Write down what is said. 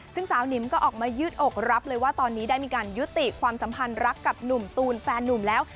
ซึ่งสาวนิมก็ออกมายืดอกรับเลยว่าตอนนี้ได้มีการยุติความสัมพันธ์รักกับหนุ่มตูนแฟนนุ่มแล้ว